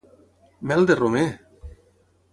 Mel de romer!